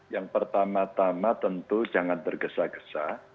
yang pertama tama tentu jangan tergesa gesa